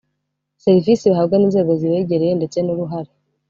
serivisi bahabwa n inzego zibegereye ndetse n uruhare